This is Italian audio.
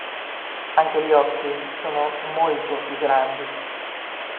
Anche gli occhi sono molto più grandi.